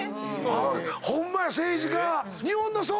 ホンマや政治家。